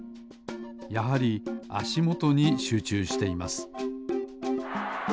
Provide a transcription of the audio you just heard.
やはりあしもとにしゅうちゅうしています